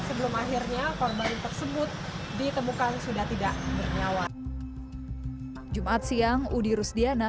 sebelum akhirnya korban tersebut ditemukan sudah tidak bernyawa jumat siang udi rusdiana